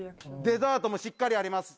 デザートもしっかりあります。